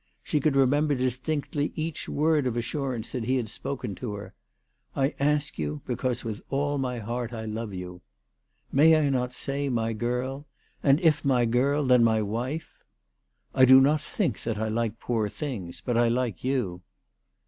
She could remember distinctly each word of assurance that he had spoken to her. " I ask you, because with all my heart I love you." " May I not say my girl ; and, if my girl, then my wife ?"" I do not think that I like poor things ; but I like you."